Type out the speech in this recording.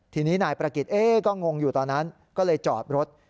ทีนี้นายประกิจก็งงอยู่ตอนนั้นก็เลยจอดรถ